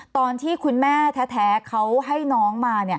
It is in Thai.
ตอนที่คุณแม่แท้เขาให้น้องมา